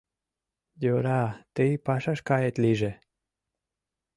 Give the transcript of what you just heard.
— Йӧра, тый пашаш кает лийже.